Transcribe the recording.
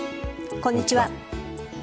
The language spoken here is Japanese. こんにちは。